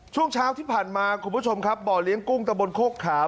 ช่วงเช้าที่ผ่านมาคุณผู้ชมครับบ่อเลี้ยงกุ้งตะบนโคกขาม